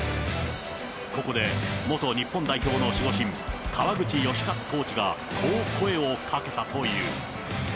ここで元日本代表の守護神、川口能活コーチが、こう声をかけたという。